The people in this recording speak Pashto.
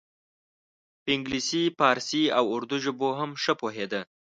په انګلیسي پارسي او اردو ژبو هم ښه پوهیده.